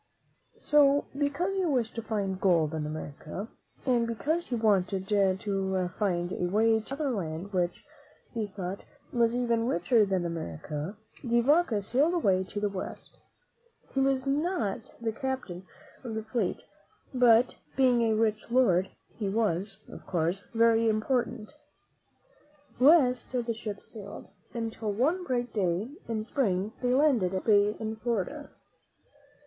So, because he wished to find gold in America and because he wanted to find a way to another land which, he thought, was even richer than America, De Vaca sailed away to the West. He was not the captain of the fleet; but, being a rich lord, he was, of course, very important. West the ships sailed, until one bright day in Spring they landed at Tampa Bay, in Florida.